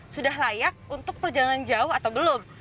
sudah layak untuk perjalanan jauh atau belum